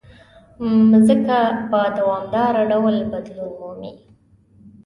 مځکه په دوامداره ډول بدلون مومي.